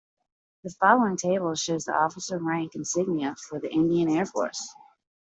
The following table shows the officer rank insignia for the Indian Air Force.